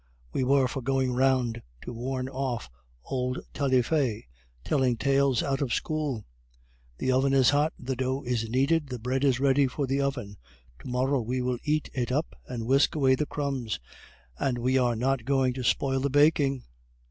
we were for going round to warn old Taillefer, telling tales out of school! The oven is hot, the dough is kneaded, the bread is ready for the oven; to morrow we will eat it up and whisk away the crumbs; and we are not going to spoil the baking?